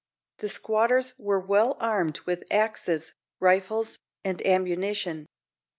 The squatters were well armed with axes, rifles, and ammunition.